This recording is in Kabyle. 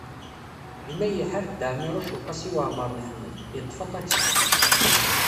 Imi ay iḥar Dda Ɛmiiruc u Qasi Waɛmer n Ḥmed, yeḍḍef aṭaksi.